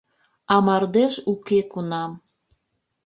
А мардеж уке кунам